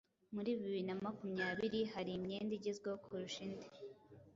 Muri bibiri namakumyabiri hari imyenda igezweho kurusha indi